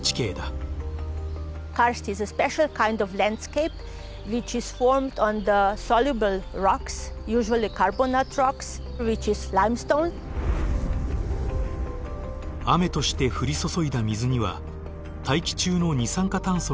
雨として降り注いだ水には大気中の二酸化炭素が溶け込む。